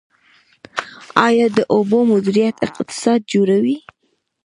آیا د اوبو مدیریت اقتصاد جوړوي؟